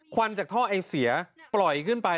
ควันจากท่อไอเสียปล่อยขึ้นไป